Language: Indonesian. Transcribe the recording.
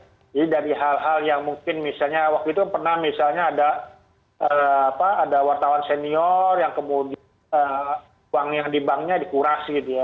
dari hal hal yang mungkin misalnya waktu itu pernah misalnya ada wartawan senior yang kemudian uang yang di banknya dikurasi gitu ya